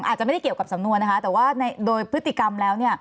อาจจะไม่ได้เกี่ยวกับสำนวนนะคะแต่ว่าโดยพฤติกรรมแล้วเนี่ย